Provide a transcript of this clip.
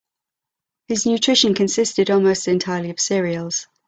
His nutrition consisted almost entirely of cereals.